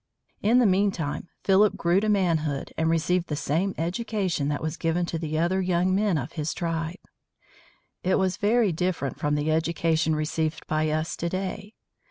In the mean time, Philip grew to manhood and received the same education that was given to the other young men of his tribe. It was very different from the education received by us to day.